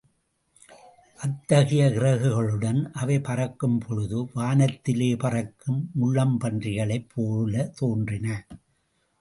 அத்தகைய இறகுகளுடன் அவை பறக்கும் பொழுது வானத்திலே பறக்கும் முள்ளம்பன்றிகளைப் போலத் தோன்றின.